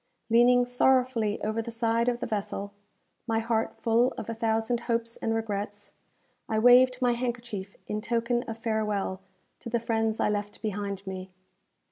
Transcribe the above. Leaning sorrowfully over the side of the vessel, my heart full of a thousand hopes and regrets, I waved my handkerchief in token of farewell to the friends I left behind me.